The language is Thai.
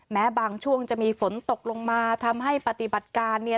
แม้บางช่วงจะมีฝนตกลงมาทำให้ปฏิบัติการเนี่ย